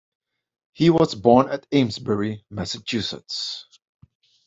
He was born at Amesbury, Massachusetts.